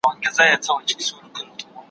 نور په داسي ظالمانو زړه ښه نه کړئ